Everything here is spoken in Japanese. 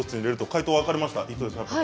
解答が分かれました。